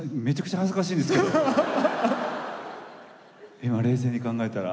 今冷静に考えたら。